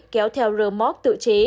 kéo theo rơ móc tự chế